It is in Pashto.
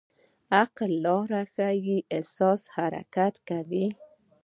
عقل لار ښيي، احساس حرکت ورکوي.